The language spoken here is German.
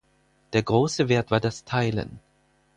Der große Wert war das Teilen.